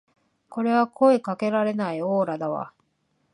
これは声かけられないオーラだわ